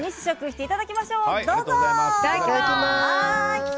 いただきます。